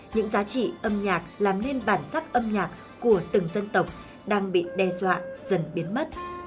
những giá trị âm nhạc làm nên bản sắc âm nhạc của từng dân tộc đang bị đe dọa dần biến mất